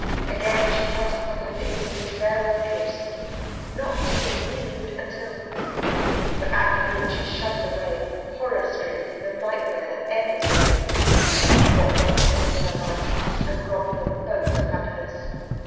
Again she felt upon her lips his farewell kiss, not to be renewed until ... but at the thought she shuddered away, horror stricken, from the nightmare that any memory must be of what then crossed her life, and robbed them both of happiness.